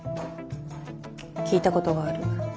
聞いたことがある。